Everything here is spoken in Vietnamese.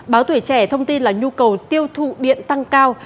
báo tuổi trẻ thông tin là nhu cầu tiêu thụ điện tăng cao